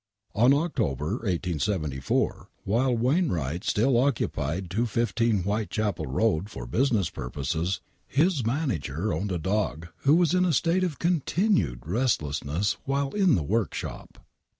In October, 1874, while Wainwright still occupied " 215 Whitechapel Eoad " for business purposes, his manager owned a dog who was in a state of continued restlessness while in the workshop.